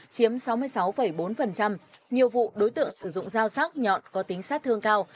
chiếm sáu mươi sáu bốn nhiều vụ đối tượng sử dụng dao sắc nhọn có tính sát thương cao